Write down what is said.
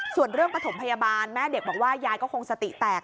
ส่วนเรื่องปฐมพยาบาลแม่เด็กบอกว่ายายก็คงสติแตก